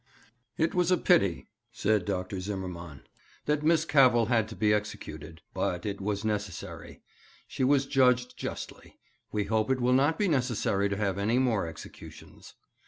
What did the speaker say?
'It was a pity,' said Dr. Zimmermann, 'that Miss Cavell had to be executed, but it was necessary. She was judged justly. We hope it will not be necessary to have any more executions.